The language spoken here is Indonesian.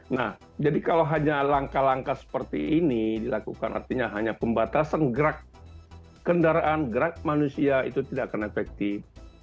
nah jadi kalau hanya langkah langkah seperti ini dilakukan artinya hanya pembatasan gerak kendaraan gerak manusia itu tidak akan efektif